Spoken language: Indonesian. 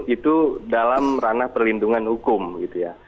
itu dalam ranah perlindungan hukum gitu ya